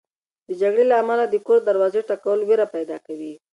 د جګړې له امله د کور د دروازې ټکول وېره پیدا کوي.